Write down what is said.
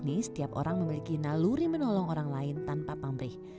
ini setiap orang memiliki naluri menolong orang lain tanpa pamrih